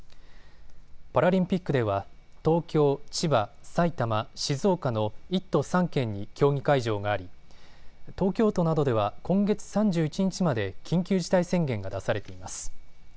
パラリンピックでは東京、千葉、埼玉、静岡の１都３県に競技会場があり、東京都などでは今月３１日まで緊急事態宣言が出されています。